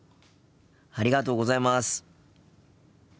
ありがとうございます！